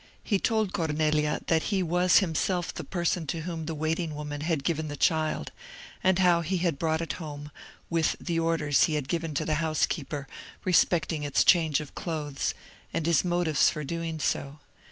He told Cornelia that he was himself the person to whom the waiting woman had given the child, and how he had brought it home, with the orders he had given to the housekeeper respecting its change of clothes, and his motives for doing so.